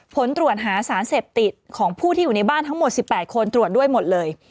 ผลตรวจหาสารเสพติดของผู้ที่อยู่ในบ้านทั้งหมด๑๘คนตรวจด้วยหมดเลย